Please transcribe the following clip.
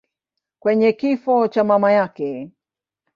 kwenye kifo cha mama yake.